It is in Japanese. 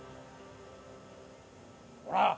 ほら！